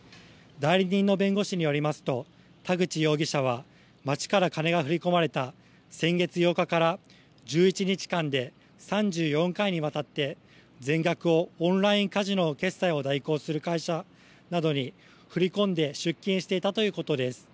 代理人の弁護士によりますと、田口容疑者は、町から金が振り込まれた先月８日から、１１日間で、３４回にわたって、全額をオンラインカジノの決済を代行する会社などに振り込んで出金していたということです。